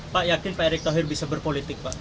pak yakin pak erick thohir bisa berpolitik pak